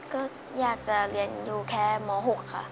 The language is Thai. ก็อยากจะเรียนอยู่แค่ม๖ค่ะ